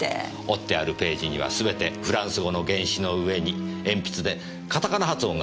折ってあるページには全てフランス語の原詩の上に鉛筆でカタカナ発音が書き込まれています。